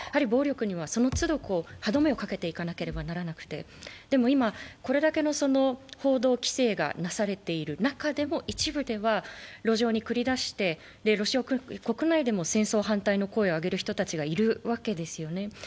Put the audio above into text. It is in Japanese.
暴力にはその都度、歯止めをかけていかなくてはならなくてでも今、これだけの報道規制がなされている中でも一部では路上に繰り出してロシア国内でも戦争反対の声を上げる人がいるわけですよね。